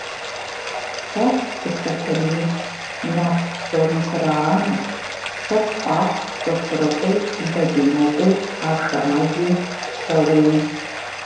Сэ сы-Сатэнейщ, нарт псоми сыраанэщ; сэ спӀащ Сосрыкъуи, Бадынокъуи, Ашэмэзи, Щауеи.